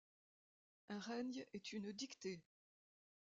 Un règne est une dictée.